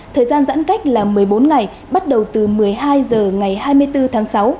thời gian giãn cách là một mươi bốn ngày bắt đầu từ một mươi hai h ngày hai mươi bốn tháng sáu